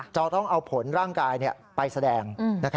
จะต้องเอาผลร่างกายไปแสดง